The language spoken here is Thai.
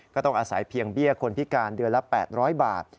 ก็ต้องอาศัยเพียงเบี้ยคนพิการเดือนละ๘๐๐บาท